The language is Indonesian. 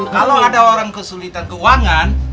kalau ada orang kesulitan keuangan